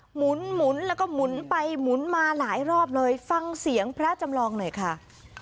หมุนหมุนแล้วก็หมุนไปหมุนมาหลายรอบเลยฟังเสียงพระจำลองหน่อยค่ะ